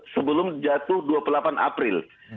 sebelum jatuh dua puluh delapan april